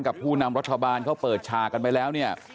ผู้นำรัฐบาลเขาเปิดฉากกันไปแล้วเนี่ย